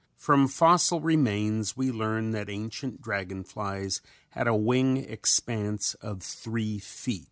From fossil remains we learn that ancient dragon flies had a wing expanse of three feet.